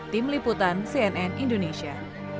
tim liputan cnn indonesia